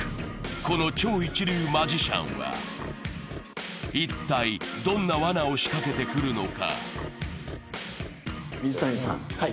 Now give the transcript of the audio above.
この超一流マジシャンは、一体どんなわなを仕掛けてくるのか？